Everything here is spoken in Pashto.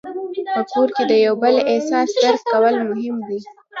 په کور کې د یو بل احساس درک کول مهم دي.